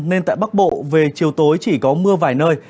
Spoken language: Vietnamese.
nên tại bắc bộ về chiều tối chỉ có mưa vài nơi